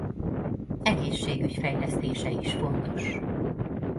Egészségügy fejlesztése is fontos.